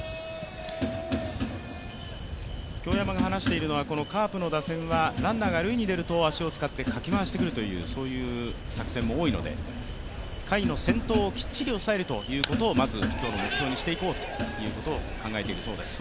京山が話しているのは、カープの打線はランナーが塁に出ると足を使ってかき回してくるというそういう作戦も多いので回の先頭をきっちり押さえるということをまず今日の目標にしていこうということを考えているそうです。